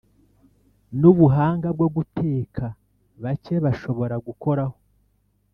nubuhanga bwo guteka bake bashobora gukoraho!